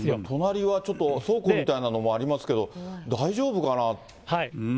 隣はちょっと倉庫みたいなのもありますけども、大丈夫かな。